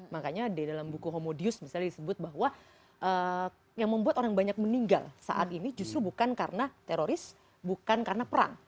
makanya di dalam buku homodius misalnya disebut bahwa yang membuat orang banyak meninggal saat ini justru bukan karena teroris bukan karena perang